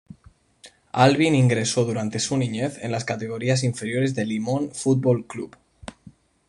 Alvin ingresó durante su niñez en las categorías inferiores de Limón Fútbol Club.